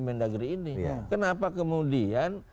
mendagri ini kenapa kemudian